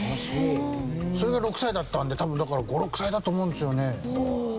それが６歳だったんで多分だから５６歳だと思うんですよね。